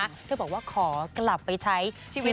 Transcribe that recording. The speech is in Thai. คุณผู้ชอบหัวขอกลับไปใช้ชีวิต